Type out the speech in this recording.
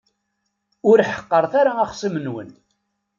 Ur ḥeqqṛet ara axṣim-nwen.